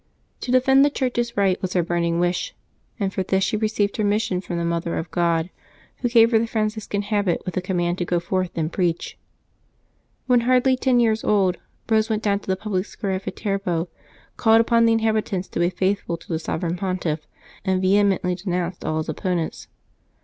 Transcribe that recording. To defend the Church's rights was her burning wish, and for this she received her mission from the Mother of God, who gave her the Franciscan habit, with the command to go forth and preach. When hardly ten years old, Eose went down to the public square at Viterbo, called upon the inhabitants to be faithful to the Sovereign Pontiff, and vehemently denounced all his oppo nents.